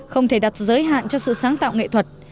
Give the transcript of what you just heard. không thể đặt giới hạn cho sự sáng tạo nghệ thuật